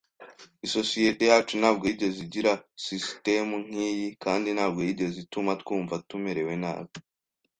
Isosiyete yacu ntabwo yigeze igira sisitemu nkiyi, kandi ntabwo yigeze ituma twumva tumerewe nabi.